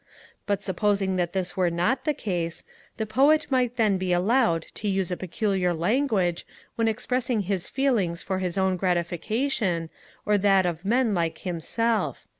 But supposing that this were not the case, the Poet might then be allowed to use a peculiar language when expressing his feelings for his own gratification, or that of men like himself.